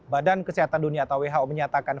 badan kesehatan dunia atau who menyatakan